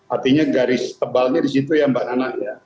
artinya garis tebalnya di situ ya mbak nana ya